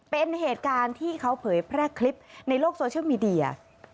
เป็นเหตุการณ์ที่เขาเผยแพร่คลิปในโลกโซเชียลมีเดีย